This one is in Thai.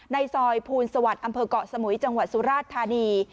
ในซอยภูลสวัสดิ์อำเภอกเกาะสมุยจังหวัดสุราชธานี